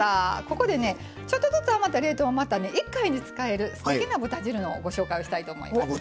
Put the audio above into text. ここでねちょっとずつ余った冷凍をまた１回に使えるすてきな豚汁のご紹介をしたいと思います。